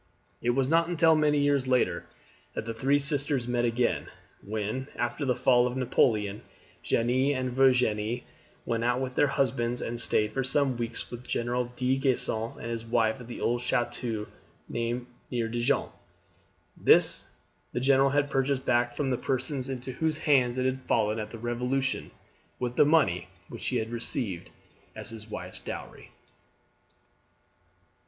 It was not until many years later that the three sisters met again, when, after the fall of Napoleon, Jeanne and Virginie went over with their husbands and stayed for some weeks with General De Gisons and his wife at the old chateau near Dijon. This the general had purchased back from the persons into whose hands it had fallen at the Revolution with the money which he had received as his wife's dowry.